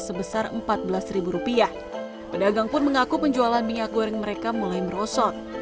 sebesar empat belas rupiah pedagang pun mengaku penjualan minyak goreng mereka mulai merosot